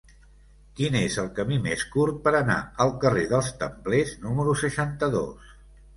Quin és el camí més curt per anar al carrer dels Templers número seixanta-dos?